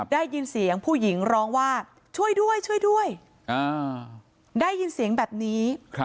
ได้ยินเสียงผู้หญิงร้องว่าช่วยด้วยช่วยด้วยได้ยินเสียงแบบนี้